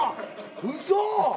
うそ。